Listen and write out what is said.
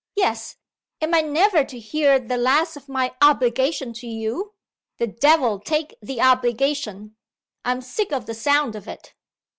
"Yes! Am I never to hear the last of my obligation to you? The devil take the obligation! I'm sick of the sound of it."